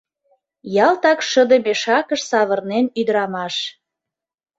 Ялтак шыде мешакыш савырнен ӱдырамаш.